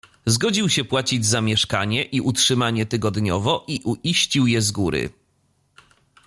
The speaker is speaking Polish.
"Zgodził się płacić za mieszkanie i utrzymanie tygodniowo i uiścił je z góry."